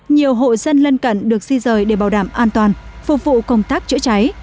nhiều hộ dân lân cận được di rời để bảo đảm an toàn phục vụ công tác chữa cháy